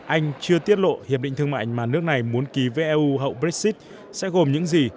anh chưa tiết lộ hiệp định thương mại mà nước này muốn ký với eu hậu brexit sẽ gồm những gì